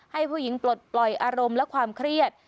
ให้ผู้หญิงปลดปล่อยอารมณ์และความเครียด